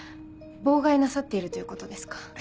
妨害なさっているということですか？